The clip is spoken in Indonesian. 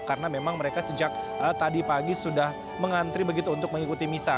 karena memang mereka sejak tadi pagi sudah mengantri begitu untuk mengikuti misa